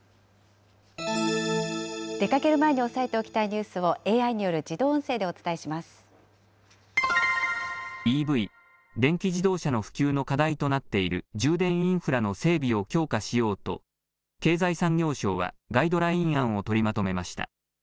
出かける前におさえておきたいニュースをＡＩによる自動音声ＥＶ・電気自動車の普及の課題となっている充電インフラの整備を強化しようと、経済産業省はガイドライン案を取りまとめました。